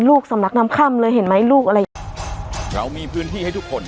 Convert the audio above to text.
ลูกสำนักน้ำค่ำเลยเห็นไหมลูกอะไรอย่างเงี้ยเรามีพื้นที่ให้ทุกคน